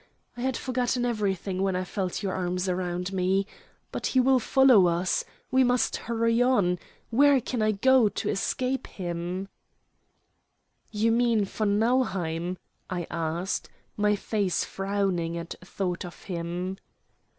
I had forgotten everything when I felt your arms around me; but he will follow us. We must hurry on. Where can I go to escape him?" "You mean von Nauheim?" I asked, my face frowning at thought of him.